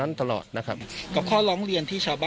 ลุงพลบอกว่ามันก็เป็นการทำความเข้าใจกันมากกว่าเดี๋ยวลองฟังดูค่ะ